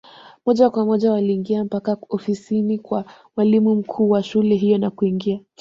Moja kwa moja waliingia mpaka ofisini kwa mwalimu mkuu wa shule hiyo na kuingia